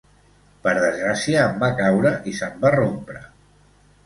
Per desgràcia, em va caure i se'm va rompre.